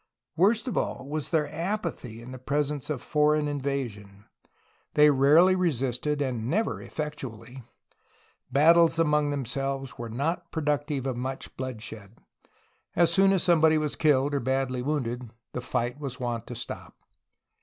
Worst of all was their apathy in the presence of foreign in vasion. They rarely resisted, and never effectually. Battles 16 A HISTORY OF CALIFORNIA among themselves were not productive 'of much bloodshed; as soon as somebody was killed or badly wounded the fight was wont to stop.